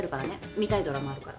観たいドラマあるから。